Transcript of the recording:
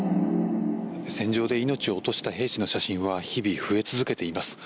戦場で命を落とした兵士の写真は日々、増え続けています。